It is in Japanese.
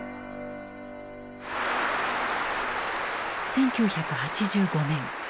１９８５年。